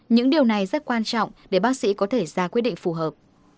những điều này rất quan trọng để bác sĩ có thể ra quyết định phù hợp